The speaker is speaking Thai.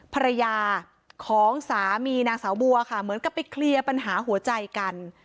ภรรยาของสามีนางสาวบัวค่ะเหมือนกับไปเคลียร์ปัญหาหัวใจกัน